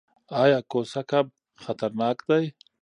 ایا کوسه کب خطرناک دی؟